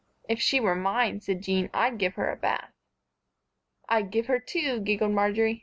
"If she were mine," said Jean, "I'd give her a bath." "I'd give her two," giggled Marjory.